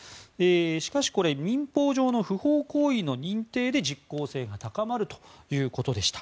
しかし民法上の不法行為の認定で実効性が高まるということでした。